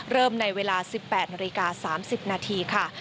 ในเวลา๑๘นาฬิกา๓๐นาทีค่ะ